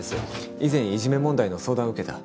以前いじめ問題の相談を受けた。